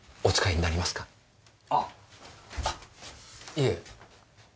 いえ。